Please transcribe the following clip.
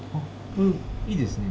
いいですね。